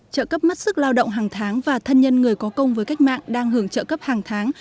trợ cấp mất sức lao động hàng tháng và thân nhân người có công với cách mạng đang hưởng trợ cấp hàng tháng